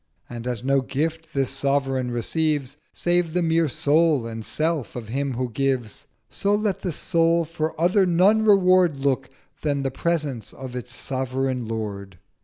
And, as no gift this Sovereign receives Save the mere Soul and Self of him who gives, So let that Soul for other none Reward Look than the Presence of its Sovereign Lord.'